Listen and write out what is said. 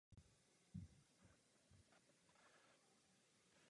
Ihned po založení se město stalo střediskem římské Galie a Germánie.